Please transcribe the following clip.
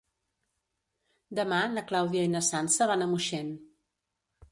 Demà na Clàudia i na Sança van a Moixent.